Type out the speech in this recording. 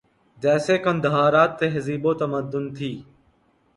جیسے قندھارا تہذیب و تمدن تھی